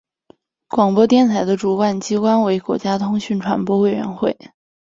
广播电台的主管机关为国家通讯传播委员会。